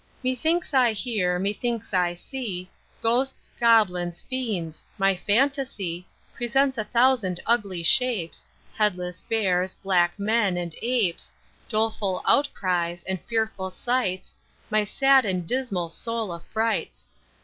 Methinks I hear, methinks I see Ghosts, goblins, fiends; my phantasy Presents a thousand ugly shapes, Headless bears, black men, and apes, Doleful outcries, and fearful sights, My sad and dismal soul affrights.